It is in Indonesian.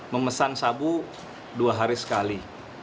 memesan sabu dua hari sekali